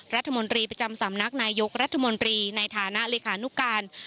รัฐมนตรีประจำสำนักนายยกรัฐมนตรีในฐานะเลขานุการ